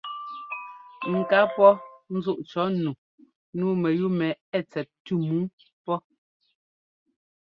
Ŋ ká pɔ́ ńzúꞌ cɔ̌ nu nǔu mɛyúu mɛ ɛ́ tsɛt tʉ́m yú pɔ́.